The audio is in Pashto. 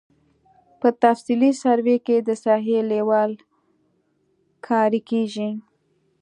په تفصیلي سروې کې د ساحې لیول کاري کیږي